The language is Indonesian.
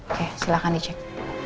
oke silahkan dicek